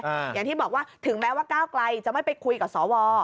อย่างที่บอกว่าถึงแม้ว่าก้าวไกลจะไม่ไปคุยกับสว